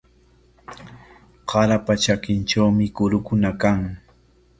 Qaarapa trakintrawmi kurukuna kan.